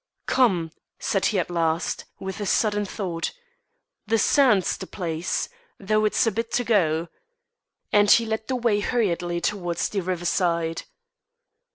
"Come!" said he at last, with a sudden thought; "the sand's the place, though it's a bit to go," and he led the way hurriedly towards the riverside.